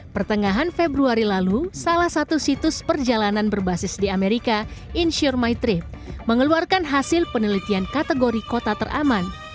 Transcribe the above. pertengahan februari lalu salah satu situs perjalanan berbasis di amerika insure my thrip mengeluarkan hasil penelitian kategori kota teraman